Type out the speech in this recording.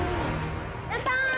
やった。